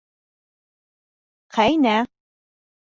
Ҡәйнә.